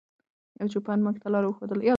یو چوپان موږ ته لاره وښودله.